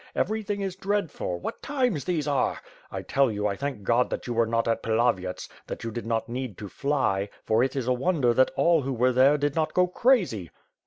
Everything is dreadful; what these times are! I tell you, I thank God that you were not at Pilavyets; that you did not need to fly, for it is a wonder that all who were there did not go crazy."